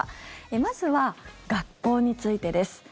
まずは、学校についてです。